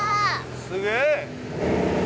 すげえ！